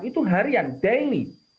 itu harian daily